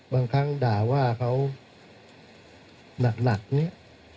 บางครั้งด่าว่าเขาหนักเนี่ย